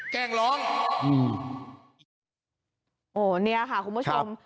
แกล้งร้องอืมโอ้เนี่ยค่ะคุณผู้ชม